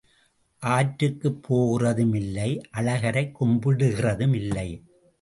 ஆற்றுக்குப் போகிறதும் இல்லை அழகரைக் கும்பிடுகிறதும் இல்லை.